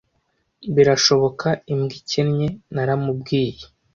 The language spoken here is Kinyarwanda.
birashoboka imbwa ikennye naramubwiye